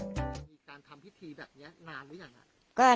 มีการทำพิธีแบบนี้นานหรือยัง